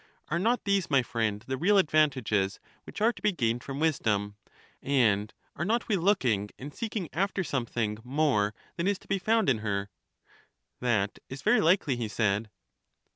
Are not these, my friend, the real advantages which are to be gained from wisdom? And are not we looking and seeking after something more than is to be found in her? That is very likely, he said.